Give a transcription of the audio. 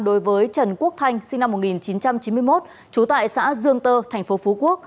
đối với trần quốc thanh sinh năm một nghìn chín trăm chín mươi một trú tại xã dương tơ thành phố phú quốc